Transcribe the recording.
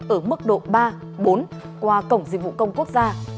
ở mức độ ba bốn qua cổng dịch vụ công quốc gia